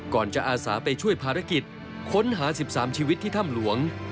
ก่อนจะอาสาไปช่วยภารกิจค้นหา๑๓ชีวิตที่ถ้ำหลวง